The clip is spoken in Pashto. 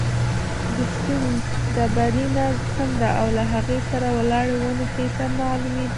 د سیند ډبرینه څنډه او له هغې سره ولاړې ونې ښه سمې معلومېدې.